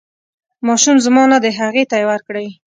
ماشوم زما نه دی هغې ته یې ورکړئ.